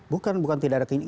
bukan bukan tidak ada